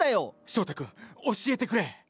翔太君教えてくれ。